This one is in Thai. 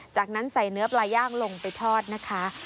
จากนั้นใส่เนื้อปลาย่างลงไปทอดนะคะ